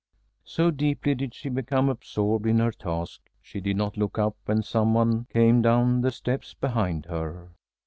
So deeply did she become absorbed in her task, she did not look up when some one came down the steps behind her.